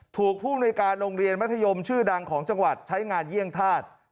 ภูมิในการโรงเรียนมัธยมชื่อดังของจังหวัดใช้งานเยี่ยงธาตุ